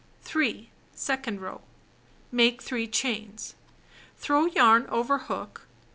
3. Second row: Make 3 chains. Throw yarn over hook.